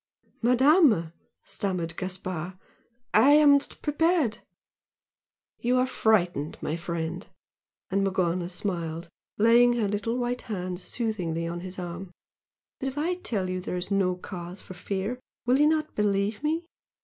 "Madama!" stammered Gaspard "I am not prepared " "You are frightened, my friend!" and Morgana smiled, laying her little white hand soothingly on his arm "But if I tell you there is no cause for fear, will you not believe me?